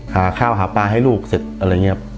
หาข้าวหาปลาให้ลูกเสร็จอะไรอย่างนี้ครับ